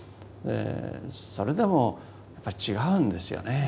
それでもやっぱり違うんですよね。